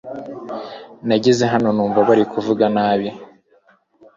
Nageze hano numva bari kuvuga nabi .